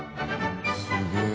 すげえ。